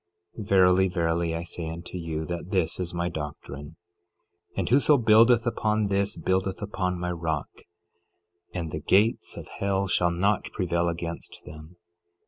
11:39 Verily, verily, I say unto you, that this is my doctrine, and whoso buildeth upon this buildeth upon my rock, and the gates of hell shall not prevail against them.